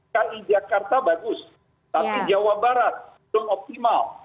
ki jakarta bagus tapi jawa barat belum optimal